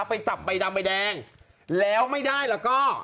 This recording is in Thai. ไปจับใบดำใบแดงแล้วไม่ได้แล้วก็